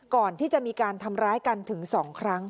ก่อนที่จะมีการทำร้ายกันถึง๒ครั้ง